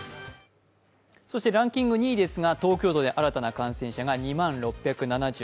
そしてランキング２位ですが東京都で新たな感染者が２万６７９人。